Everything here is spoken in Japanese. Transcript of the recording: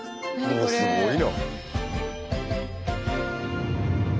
うわっすごいな。